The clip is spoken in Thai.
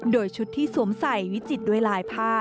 โดยชุดที่สวมใส่วิจิตด้วยลายผ้า